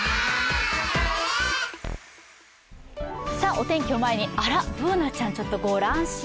お天気を前にあら、Ｂｏｏｎａちゃんちょっとご乱心。